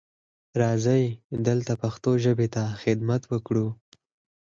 راځئ دلته پښتو ژبې ته خدمت وکړو.